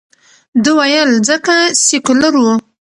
ده ویل، ځکه سیکولر ؤ.